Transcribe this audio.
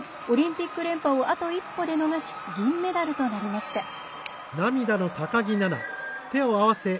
オリンピック連覇をあと一歩で逃し銀メダルとなりました。